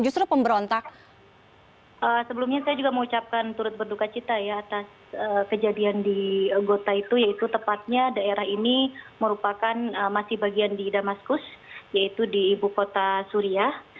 sebelumnya saya juga mengucapkan turut berduka cita ya atas kejadian di gota itu yaitu tepatnya daerah ini merupakan masih bagian di damaskus yaitu di ibu kota suriah